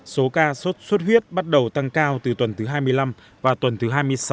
số ca sốt xuất huyết bắt đầu tăng cao từ tuần thứ hai mươi năm và tuần thứ hai mươi sáu